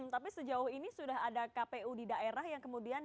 tapi sejauh ini sudah ada kpu di daerah yang kemudian